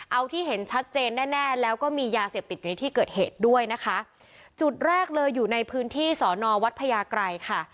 เอาที่เห็นชัดเจนแน่แน่แล้วก็มียาเสพติดอยู่ในที่เกิดเหตุด้วยนะคะจุดแรกเลยอยู่ในพื้นที่สอนอวัดพญาไกรค่ะ